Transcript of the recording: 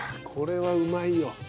これはうまいよ。